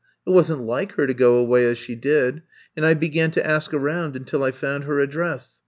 It wasn't like her to go away as she did. And I began to ask around until I found her address.